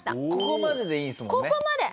ここまででいいんですもんね。